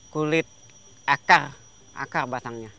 kulit akar akar batangnya